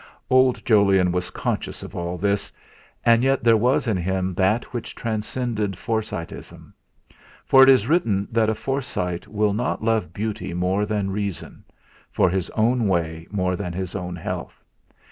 Old Jolyon was conscious of all this, and yet there was in him that which transcended Forsyteism. For it is written that a Forsyte shall not love beauty more than reason; nor his own way more than his own health.